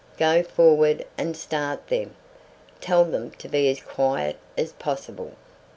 Go forward and start them. Tell them to be as quiet as possible."